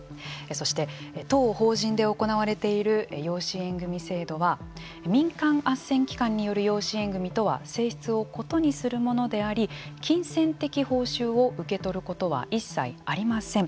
そして、当法人で行われている養子縁組制度は民間あっせん機関による養子縁組とは性質を異にするものであり金銭的報酬を受け取ることは一切ありません。